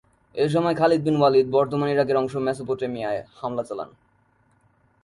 এসময় Khalid bin Walid বর্তমান ইরাকের অংশ মেসোপটেমিয়ায় হামলা চালান।